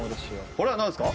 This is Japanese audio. これはなんですか？